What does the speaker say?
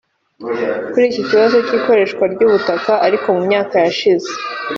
Kuri iki kibazo cy’ikoreshwa ry’ubutaka ariko mu myaka yashize